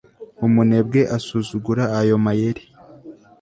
Umunebwe asuzugura ayo mayeri